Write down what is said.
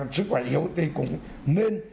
sức khỏe yếu thì cũng nên